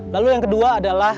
lalu yang kedua adalah